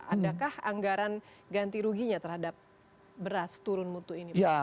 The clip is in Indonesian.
adakah anggaran ganti ruginya terhadap beras turun mutu ini pak